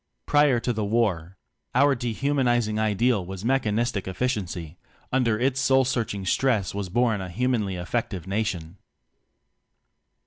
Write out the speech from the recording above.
Prior to the War, our de humaniz ing ideal was Mechanistic Efficiency, under its soul searching stress was born a Humanly Effective Nation.